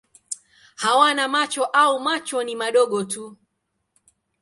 Hawana macho au macho ni madogo tu.